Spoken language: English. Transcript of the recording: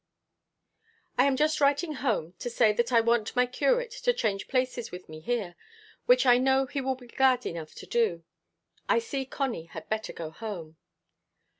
"I am just writing home to say that I want my curate to change places with me here, which I know he will be glad enough to do. I see Connie had better go home."